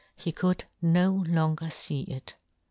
He could no longer fee it